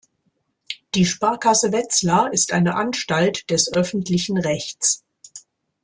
Die Sparkasse Wetzlar ist eine Anstalt des öffentlichen Rechts.